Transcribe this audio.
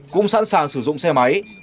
cũng sẵn sàng sử dụng xe máy